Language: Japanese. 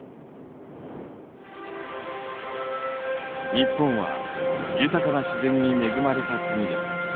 日本は豊かな自然に恵まれた国です。